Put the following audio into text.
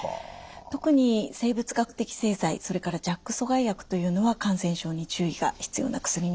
特に生物学的製剤それからＪＡＫ阻害薬というのは感染症に注意が必要な薬になります。